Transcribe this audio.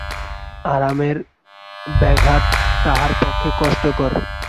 আরামের ব্যাঘাত তাহার পক্ষে কষ্টকর।